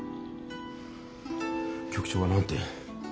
局長は何て？